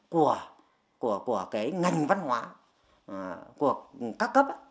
của ngành văn hóa của các cấp